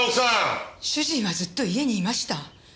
主人はずっと家にいました。